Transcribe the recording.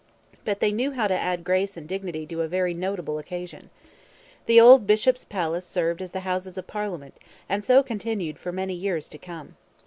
But they knew how to add grace and dignity to a very notable occasion. The old Bishop's Palace served as the Houses of Parliament and so continued for many years to come.